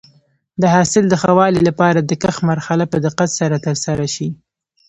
د حاصل د ښه والي لپاره د کښت مرحله په دقت سره ترسره شي.